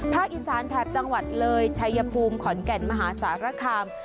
อีสานแถบจังหวัดเลยชัยภูมิขอนแก่นมหาสารคาม